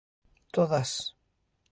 Todas.